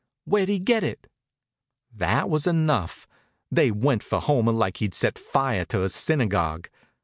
"Where did he get it?" That was enough. They went for Homer like he'd set fire to a synagogue.